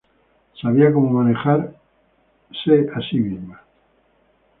Sabía cómo manejarse a sí misma.